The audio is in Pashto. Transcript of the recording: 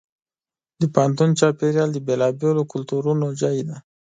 د پوهنتون چاپېریال د بېلابېلو کلتورونو ځای دی.